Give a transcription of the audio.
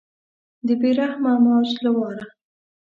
د بې رحمه موج له واره